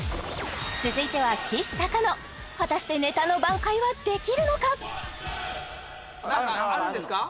続いてはきしたかの果たしてネタの挽回はできるのか？